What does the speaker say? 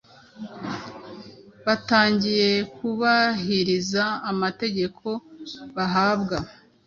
batangiye kubahiriza amategeko bahabwaga